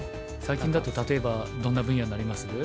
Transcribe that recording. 最近だと例えばどんな分野になります？